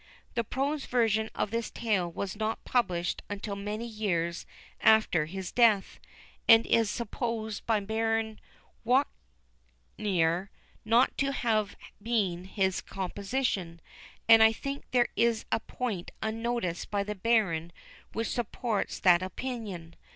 The prose version of this tale was not published until many years after his death, and is supposed by Baron Walkenäer not to have been his composition; and I think there is a point unnoticed by the Baron which supports that opinion.